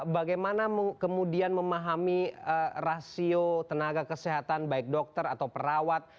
bagaimana kemudian memahami rasio tenaga kesehatan baik dokter atau perawat